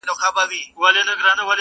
• کهيېتخمونهدګناهدلتهکرليبيانو,